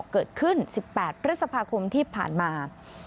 เกิดขึ้น๑๘พฤษภาคมที่ผ่านมา